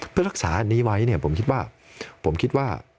เพื่อรักษานี้ไว้ผมคิดว่า